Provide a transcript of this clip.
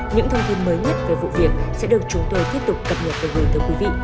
những thông tin mới nhất về vụ việc sẽ được chúng tôi tiếp tục cập nhật với người thân quý vị